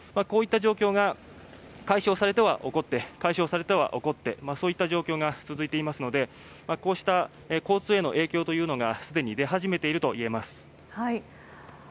こういった状況が解消されては起こって解消されては起こってそういった状況が続いていますのでこうした交通への影響というのがすでに出始めていると言えます。